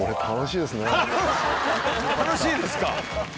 楽しいですか？